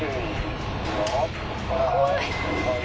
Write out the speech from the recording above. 怖い。